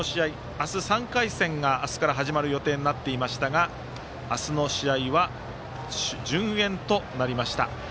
明日は３回戦が明日から始まる予定になっていましたが明日の試合は順延となりました。